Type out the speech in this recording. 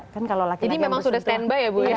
jadi memang sudah stand by ya bu ya